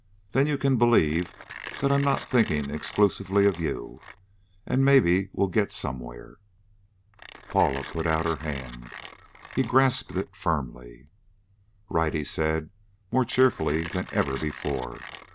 "Then you can believe that I'm not thinking exclusively of you, and maybe we'll get somewhere." Paula put out her hand. He grasped it firmly. "Right!" he said, more cheerfully than ever before.